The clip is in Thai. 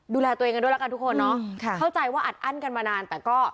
ดูแลตัวเองด้วยแล้วกันทุกคนเนาะค่ะเข้าใจว่าอัดอั้นกันมานานแต่ก็